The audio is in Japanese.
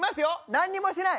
何にもしてない。